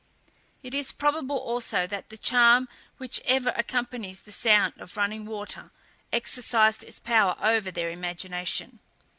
It is probable also that the charm which ever accompanies the sound of running water exercised its power over their imagination.